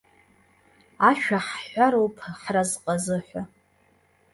Ашәа ҳҳәароуп ҳразҟазыҳәа!